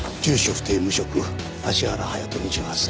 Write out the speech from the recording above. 不定無職芦原隼人２８歳。